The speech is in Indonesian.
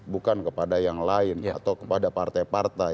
bukan kepada yang lain atau kepada partai partai